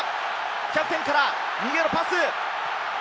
キャプテンから右へのパス！